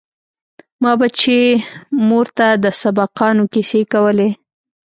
ما به چې مور ته د سبقانو کيسې کولې.